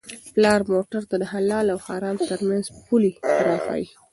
پلار موږ ته د حلال او حرام ترمنځ پولې را ښيي.